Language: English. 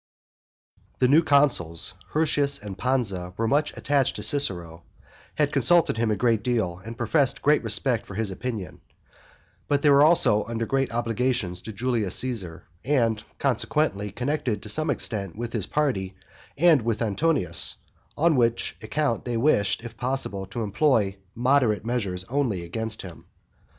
The new consuls Hirtius and Pansa were much attached to Cicero, had consulted him a great deal, and professed great respect for his opinion; but they were also under great obligations to Julius Caesar and, consequently, connected to some extent with his party and with Antonius, on which account they wished, if possible, to employ moderate measures only against him.